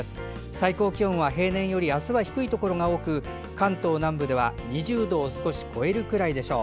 最高気温は平年より明日は低いところが多く関東南部では２０度を少し超えるくらいでしょう。